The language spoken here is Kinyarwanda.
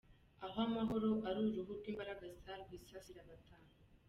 Aho amahoro ari uruhu rw’imbaragasa rwisasira batanu.